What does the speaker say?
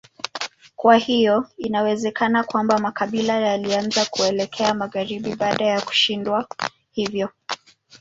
Kwa hiyo inawezekana kwamba makabila yalianza kuelekea magharibi baada ya kushindwa hivyo.